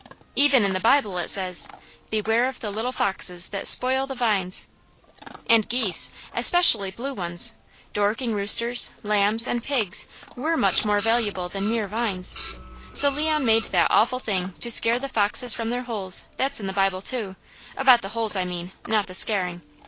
Even in the Bible it says, "Beware of the little foxes that spoil the vines," and geese, especially blue ones, Dorking roosters, lambs, and pigs were much more valuable than mere vines; so Leon made that awful thing to scare the foxes from their holes that's in the Bible too, about the holes I mean, not the scaring.